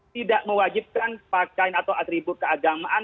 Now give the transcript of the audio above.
tidak mewajibkan pakaian atau atribut keagamaan